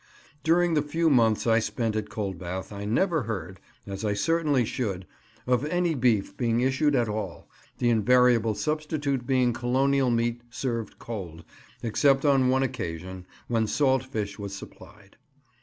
During the few months I spent at Coldbath I never heard—as I certainly should—of any beef being issued at all, the invariable substitute being Colonial meat served cold, except on one occasion, when salt fish was supplied.